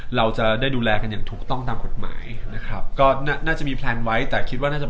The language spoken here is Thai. เพราะว่ามันเมืองไทยครับว่ามีคนไทยสินะครับ